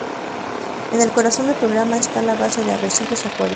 En el corazón del programa está la Base de Arrecifes Acuario.